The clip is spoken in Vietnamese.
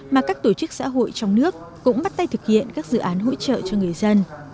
mà các tổ chức xã hội trong nước cũng bắt tay thực hiện các dự án hỗ trợ cho người dân